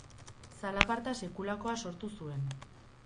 Zalaparta sekulakoa sortu zuen.